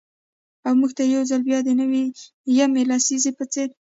او مـوږ تـه يـو ځـل بـيا د نـوي يمـې لسـيزې پـه څـېر.